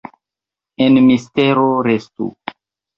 En mistero restu…